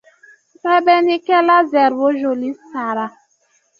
Sɛbɛnnikɛla Zerbo joli sara.